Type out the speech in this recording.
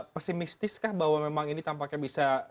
pesimistiskah bahwa memang ini tampaknya bisa